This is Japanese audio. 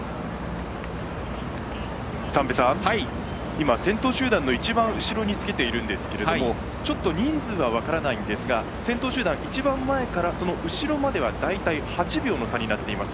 今、先頭集団の一番後ろにつけているんですけど人数は分からないんですが先頭集団、一番前からその後ろまでは大体８秒の差になっています。